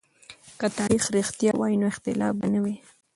که تاريخ رښتيا وای نو اختلاف به نه و.